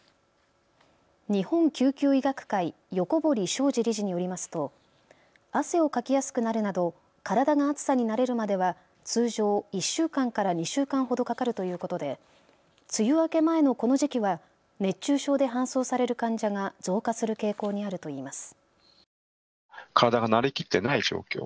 日本救急医学会横堀將司理事によりますと汗をかきやすくなるなど体が暑さに慣れるまでは通常１週間から２週間ほどかかるということで梅雨明け前のこの時期は熱中症で搬送される患者が増加する傾向にあるといいます。